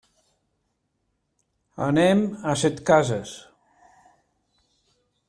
Anem a Setcases.